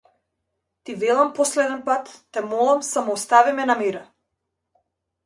Ти велам последен пат, те молам, само остави ме на мира.